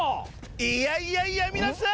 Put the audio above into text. いやいやいや皆さん！